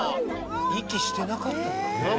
息してなかった？